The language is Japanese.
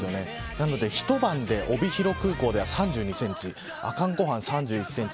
なので一晩で帯広空港では３２センチ阿寒湖畔３１センチ